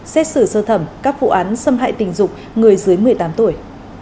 xét xử sơ thẩm các vụ án xâm hại tình dục người dưới một mươi tám tuổi